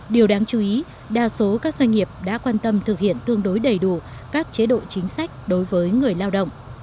điều đáng chú ý đa số các doanh nghiệp đã quan tâm thực hiện tương đối đầy đủ các chế độ chính sách đối với người lao động